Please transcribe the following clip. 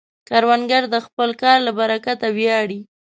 کروندګر د خپل کار له برکته ویاړي